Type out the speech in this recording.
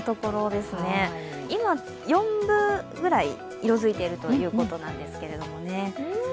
今、４分ぐらい色づいているということなんですけどね。